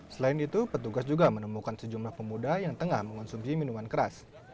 selain itu petugas juga menemukan sejumlah pemuda yang tengah mengonsumsi minuman keras